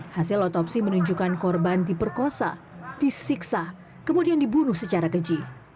hasil otopsi menunjukkan korban diperkosa disiksa kemudian dibunuh secara keji